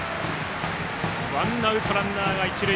ワンアウトランナーが一塁。